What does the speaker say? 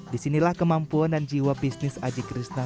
disinilah kemampuan dan jiwa bisnis aji krishna